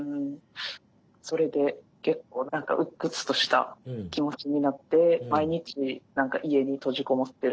それで結構何か鬱屈とした気持ちになって毎日家に閉じこもってる感じです。